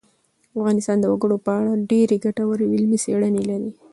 افغانستان د وګړي په اړه ډېرې ګټورې او علمي څېړنې لري.